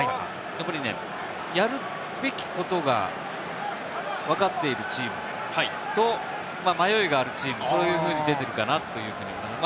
やっぱり、やるべきことがわかっているチームと迷いがあるチーム、そういうふうに出ているかなと思います。